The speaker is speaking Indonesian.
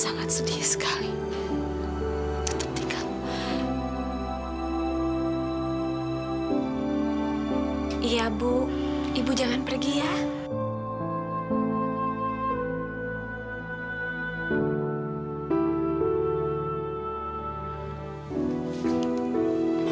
ngancurin diri kamu